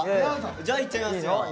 じゃあいっちゃいますよ。